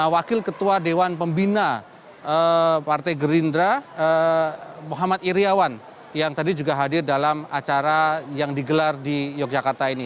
wakil ketua dewan pembina partai gerindra muhammad iryawan yang tadi juga hadir dalam acara yang digelar di yogyakarta ini